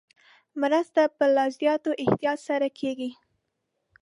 مرستې په لا زیات احتیاط سره کېږي.